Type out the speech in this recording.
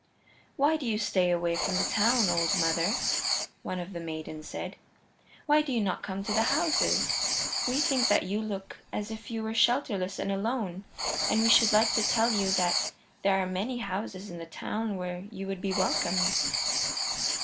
"Why do you stay away from the town, old mother?" one of the maidens said. "Why do you not come to the houses? We think that you look as if you were shelterless and alone, and we should like to tell you that there are many houses in the town where you would be welcomed."